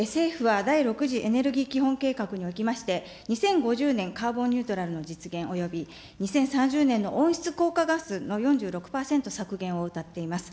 政府は第６次エネルギー基本計画におきましては２０５０年カーボンニュートラルの実現および２０３０年の温室効果ガスの４６％削減をうたっています。